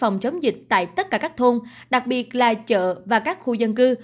phòng chống dịch tại tất cả các thôn đặc biệt là chợ và các khu dân cư